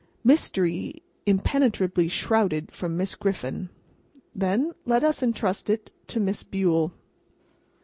Mystery impenetrably shrouded from Miss Griffin then, let us entrust it to Miss Bule.